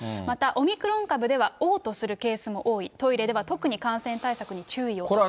また、オミクロン株では、おう吐するケースも多い、トイレでは特に感染対策に注意をと。